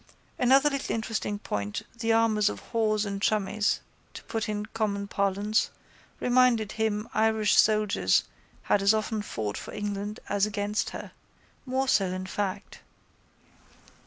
Another little interesting point, the amours of whores and chummies, to put it in common parlance, reminded him Irish soldiers had as often fought for England as against her, more so, in fact.